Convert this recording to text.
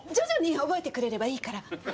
徐々に覚えてくれればいいから。